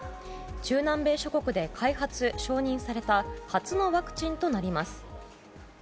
中南米諸国で開発・承認された初のワクチンとなります。